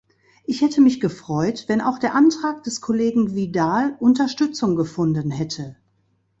Ich hätte mich gefreut, wenn auch der Antrag des Kollegen Vidal Unterstützung gefunden hätte.